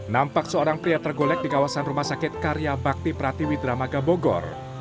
nampak seorang pria tergolek di kawasan rumah sakit karya bakti pratiwi dramaga bogor